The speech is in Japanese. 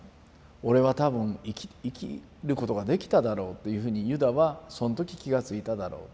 俺は多分生きることができただろうっていうふうにユダはその時気がついただろうと。